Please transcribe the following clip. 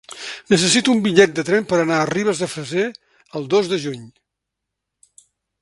Necessito un bitllet de tren per anar a Ribes de Freser el dos de juny.